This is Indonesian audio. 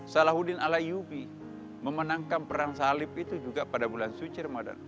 salahuddin ala yubi memenangkan perang salib itu juga pada bulan suci ramadan